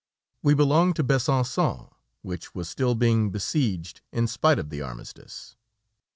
We belonged to Besançon, which was still being besieged in spite of the armistice.